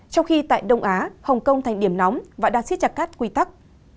trong khi tại đông á hồng kông thành điểm nóng và đã siết chặt cắt quy tắc